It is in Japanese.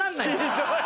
ひどい。